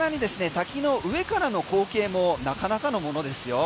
滝上からの光景もなかなかのものですよ。